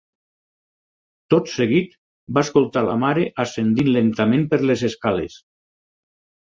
Tot seguit va escoltar la mare ascendint lentament per les escales.